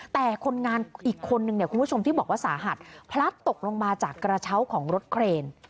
แต่คนงานอีกคนนึงเนี่ยคุณผู้ชมที่บอกว่าสาหัสพลัดตกลงมาจากกระเช้าของรถเครน